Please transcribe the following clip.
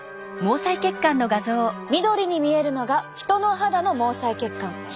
緑に見えるのが人の肌の毛細血管。